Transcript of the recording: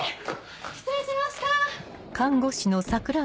失礼しました！